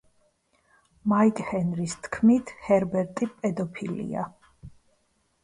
მაიკ ჰენრის თქმით, ჰერბერტი პედოფილია.